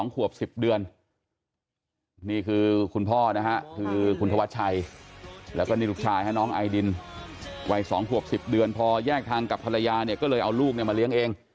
พวกเขาหมดแรงเดี๋ยวเขาก็ไม่พูดเลย